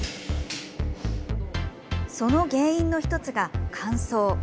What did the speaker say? その原因の１つが、乾燥。